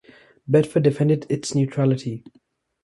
Bedford defended its neutrality.